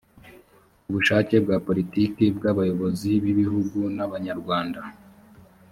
ku bushake bwa poritiki bw abayobozi b igihugu n abanyarwanda